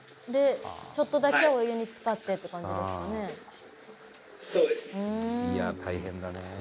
でちょっとだけお湯につかってって感じですかね。